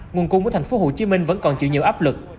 nguồn cung của thành phố hồ chí minh vẫn còn chịu nhiều áp lực